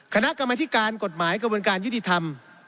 คณะกรรมธิการกฎหมายกระบวนการยุติธรรม